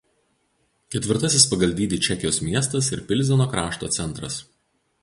Ketvirtasis pagal dydį Čekijos miestas ir Pilzeno krašto centras.